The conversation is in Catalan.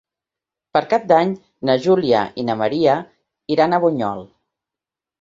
Per Cap d'Any na Júlia i na Maria iran a Bunyol.